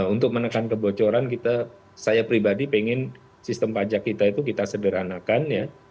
untuk menekan kebocoran saya pribadi pengen sistem pajak kita itu kita sederhanakan ya